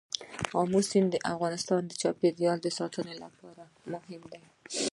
آمو سیند د افغانستان د چاپیریال ساتنې لپاره مهم دي.